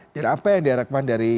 dan apa yang diharapkan dari